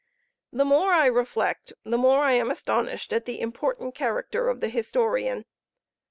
The more I reflect, the more I am astonished at the important character of the historian.